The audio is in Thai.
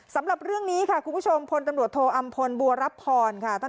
สำหรับเรื่องนี้ค่ะคุณผู้ชมพลตำรวจโทอำพลบัวรับพรค่ะ